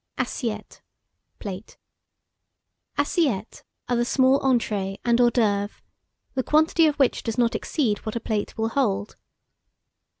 ASSIETTE (plate). Assiettes are the small entrées and hors d'oeuvres, the quantity of which does not exceed what a plate will hold.